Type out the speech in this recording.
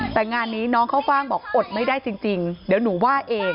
แต่งานนี้น้องข้าวฟ่างบอกอดไม่ได้จริงเดี๋ยวหนูว่าเอง